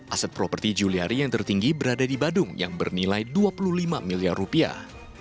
aset properti juliari yang tertinggi berada di badung yang bernilai dua puluh lima miliar rupiah